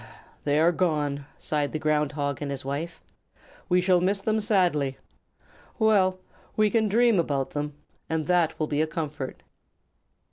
"They are gone!" sighed the Ground Hog and his wife. "We shall miss them sadly. Well, we can dream about them, and that will be a comfort."